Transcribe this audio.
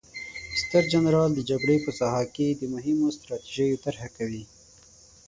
ستر جنرال د جګړې په ساحه کې د مهمو ستراتیژیو طرحه ورکوي.